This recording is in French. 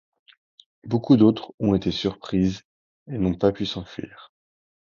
Beaucoup d’autres ont été surprises et n’ont pas pu s’enfuir.